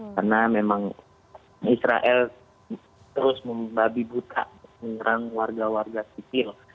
karena memang israel terus membabi buta menyerang warga warga sifil